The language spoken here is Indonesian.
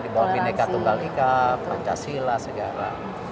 di bawah mineka tunggal ika pancasila segala